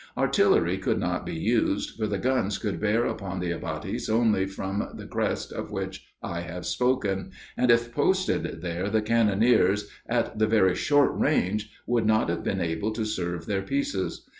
Artillery could not be used, for the guns could bear upon the abatis only from the crest of which I have spoken, and if posted there the cannoneers, at the very short range, would not have been able to serve their pieces.